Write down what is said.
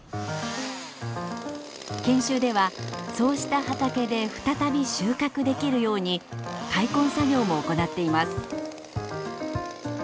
研修ではそうした畑で再び収穫できるように開墾作業も行っています。